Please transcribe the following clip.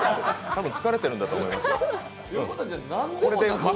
多分疲れてるんだと思いますよ。